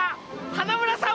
花村さん！